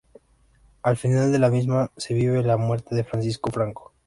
Al final de la misma se vive la muerte de Francisco Franco.